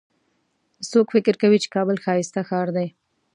څوک فکر کوي چې کابل ښایسته ښار ده